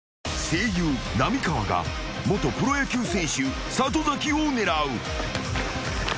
［声優浪川が元プロ野球選手里崎を狙う］